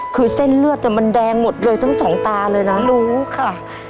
คือเส้นเลือดมันแดงหมดเลยทั้งสองตาเลยนะรู้ค่ะ